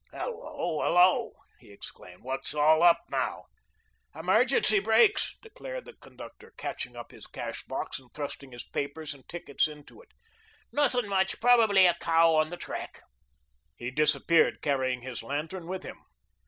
"Hello, hello," he exclaimed, "what's all up now?" "Emergency brakes," declared the conductor, catching up his cash box and thrusting his papers and tickets into it. "Nothing much; probably a cow on the track." He disappeared, carrying his lantern with him.